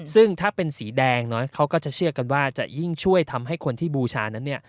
ซึ่งถ้าเป็นสีแดงเขาก็จะเชื่อกันว่าจะยิ่งช่วยทำให้คนที่บูชานั้นเนี่ย